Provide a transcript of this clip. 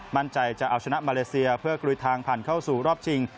จะเอาชนะมาเลเซียเพื่อกลุยทางผ่านเข้าสู่รอบชิง